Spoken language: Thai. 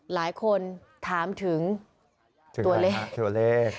หลายคนถามถึงตัวเลข